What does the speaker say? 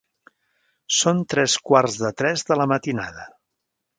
Són tres quarts de tres de la matinada.